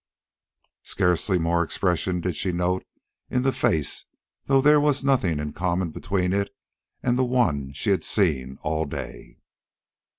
Scarcely more expression did she note in the face, though there was nothing in common between it and the one she had seen all day.